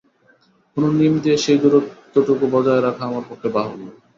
কোনো নিয়ম দিয়ে সেই দূরত্বটুকু বজায় রাখা আমার পক্ষে বাহুল্য।